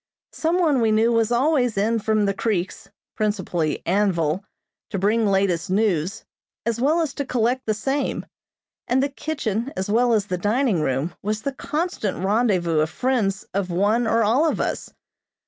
Some one we knew was always in from the creeks, principally Anvil, to bring latest news, as well as to collect the same, and the kitchen as well as the dining room, was the constant rendezvous of friends of one or all of us.